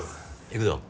行くぞ。